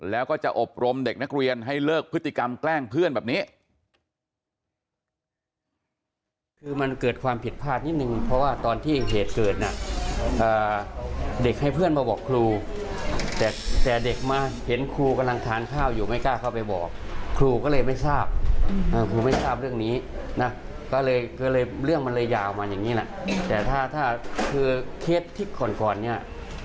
แล้วก็จะอบรมเด็กนักเรียนให้เลิกพฤติกรรมแกล้งเพื่อนแบบนี้